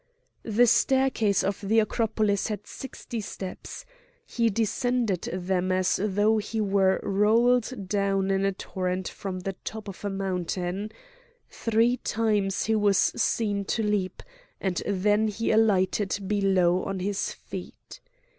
The staircase of the Acropolis had sixty steps. He descended them as though he were rolled down in a torrent from the top of a mountain; three times he was seen to leap, and then he alighted below on his feet.